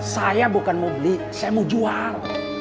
saya bukan mau beli saya mau jual